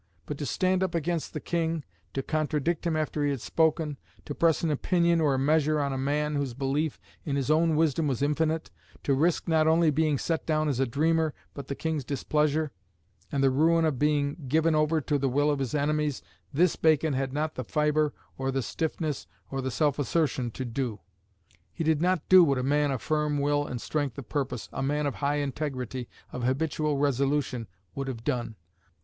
But to stand up against the King, to contradict him after he had spoken, to press an opinion or a measure on a man whose belief in his own wisdom was infinite, to risk not only being set down as a dreamer, but the King's displeasure, and the ruin of being given over to the will of his enemies, this Bacon had not the fibre or the stiffness or the self assertion to do. He did not do what a man of firm will and strength of purpose, a man of high integrity, of habitual resolution, would have done.